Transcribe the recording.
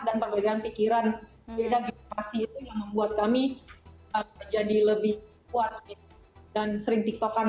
dan perbedaan pikiran beda geografi itu yang membuat kami jadi lebih kuat dan sering tiktokan